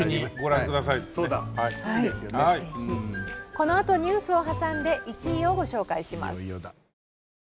このあとニュースを挟んで１位をご紹介します。